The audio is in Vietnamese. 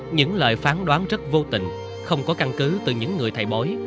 những lời phán đoán rất vô tình không có căn cứ từ những người thầy bối